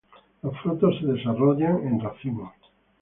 Los frutos se desarrollan en racimos.